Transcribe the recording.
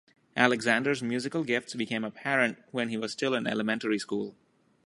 Alexander's musical gifts became apparent when he was still in elementary school.